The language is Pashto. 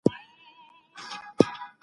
بهرنی سیاست درناوی ګټي.